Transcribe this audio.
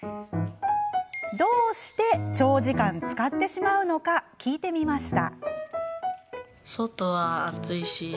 どうして長時間使ってしまうのか聞いてみました。